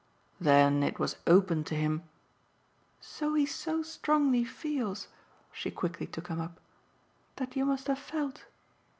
"Then it was open to him " "So he so strongly feels" she quickly took him up "that you must have felt.